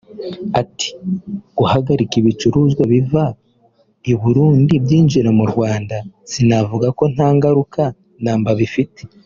Ati “Guhagarika ibicuruzwa biva i Burundi byinjira mu Rwanda sinavuga ko nta ngaruka na mba bifite